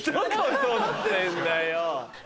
何やってんだよ。